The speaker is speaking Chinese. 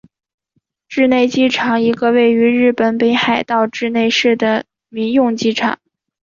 稚内机场一个位于日本北海道稚内市的民用机场。